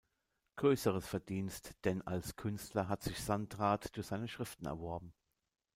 Größeres Verdienst denn als Künstler hat sich Sandrart durch seine Schriften erworben.